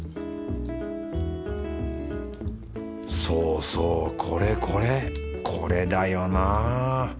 そうそうこれこれこれだよな。